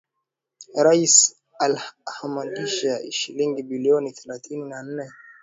Rais aliidhinisha shilingi bilioni thelathini na nne